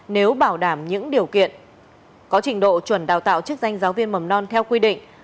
nếu bảo đảm những điều kiện có trình độ chuẩn đào tạo chức danh giáo viên mầm non theo quy định